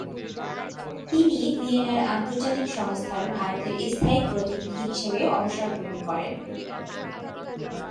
তিনি ভিয়েনায় আন্তর্জাতিক সংস্থার ভারতের স্থায়ী প্রতিনিধি হিসাবে অবসর গ্রহণ করেন।